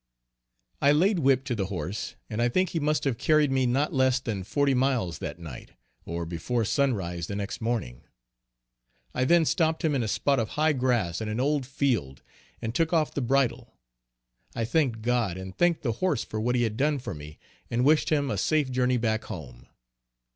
I laid whip to the horse, and I think he must have carried me not less than forty miles that night, or before sun rise the next morning. I then stopped him in a spot of high grass in an old field, and took off the bridle. I thanked God, and thanked the horse for what he had done for me, and wished him a safe journey back home.